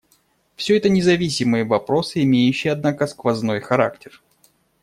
Все это независимые вопросы, имеющие, однако, сквозной характер.